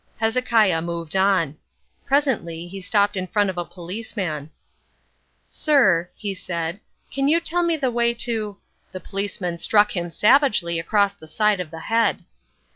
Hezekiah moved on. Presently he stopped in front of a policeman. "Sir," he said, "can you tell me the way to—" The policeman struck him savagely across the side of the head.